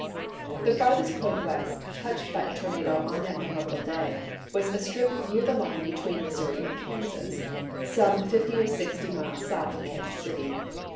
The farthest point west touched by a tornado on that memorable day was a strip near the line between Missouri and Kansas, some fifty or sixty miles south of Kansas City.